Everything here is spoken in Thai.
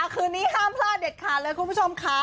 คืนนี้ห้ามพลาดเด็ดขาดเลยคุณผู้ชมค่ะ